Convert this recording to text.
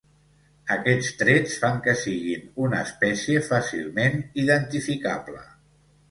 Aquests trets fan que siguin una espècie fàcilment identificable.